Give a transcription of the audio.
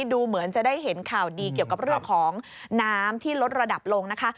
ดูเหมือนจะได้เห็นข่าวดีเกี่ยวกับเรื่องของน้ำที่ลดระดับลงนะคะ